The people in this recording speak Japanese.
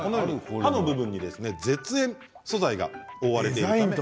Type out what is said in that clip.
刃の部分に絶縁素材が覆われています。